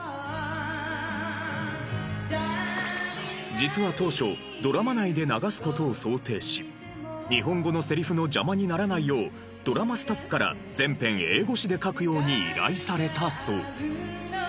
実は当初ドラマ内で流す事を想定し日本語のセリフの邪魔にならないようドラマスタッフから全編英語詞で書くように依頼されたそう。